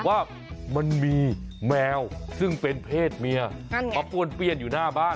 ว่ามันมีแมวซึ่งเป็นเพศเมียมาป้วนเปี้ยนอยู่หน้าบ้าน